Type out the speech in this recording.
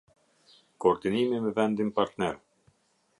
Koordinimi me vendin partner.